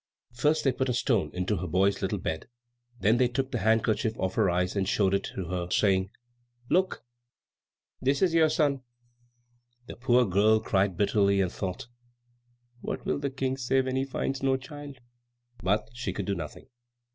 First they put a stone into her boy's little bed, and then they took the handkerchief off her eyes and showed it her, saying, "Look! this is your son!" The poor girl cried bitterly, and thought, "What will the King say when he finds no child?" But she could do nothing.